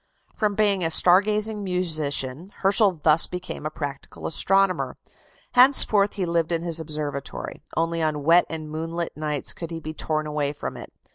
From being a star gazing musician, Herschel thus became a practical astronomer. Henceforth he lived in his observatory; only on wet and moonlight nights could he be torn away from it.